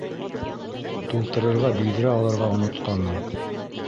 Тултырырға биҙрә алырға онотҡанмын